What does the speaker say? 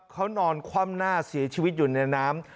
เขานอนคว่ำหน้าเสียชีวิตอยู่ในน้ำ